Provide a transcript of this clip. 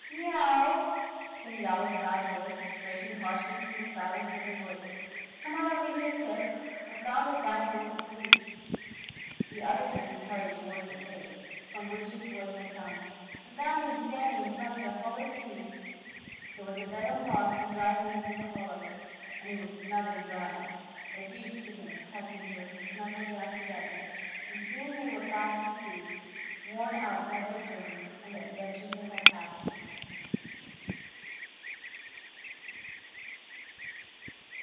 "Miaw aw aw!" came Yowler's loud voice, breaking harshly through the silence of the wood. "Come on over here, kits; I've found a fine place to sleep." The other kittens hurried toward the place from which his voice had come, and found him standing in front of a hollow tree. There was a bed of moss and dry leaves in the hollow, and it was snug and dry. The three kittens crept into it and snuggled down together, and soon they were fast asleep, worn out by their journey and the adventures they had passed through.